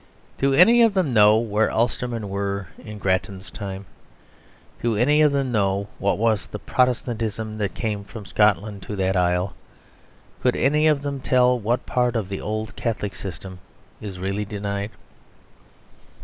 Do any of them know where Ulstermen were in Grattan's time; do any of them know what was the "Protestantism" that came from Scotland to that isle; could any of them tell what part of the old Catholic system it really denied?